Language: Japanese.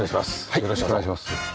よろしくお願いします。